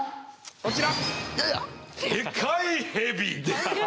こちら！